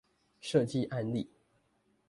設計案例